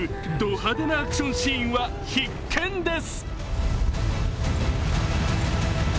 派手なアクションシーンは必見です。